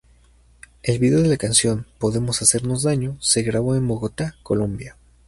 El video de la canción "Podemos Hacernos Daño" se grabó en Bogotá, Colombia.